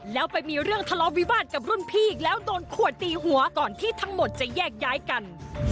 แล้วไปมีเรื่องทะเลาะวิวาสกับรุ่นพี่อีกแล้วโดนขวดตีหัวก่อนที่ทั้งหมดจะแยกย้ายกัน